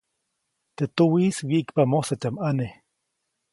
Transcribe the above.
Teʼ tuwiʼis wyiʼkpa mosatyaʼm ʼane.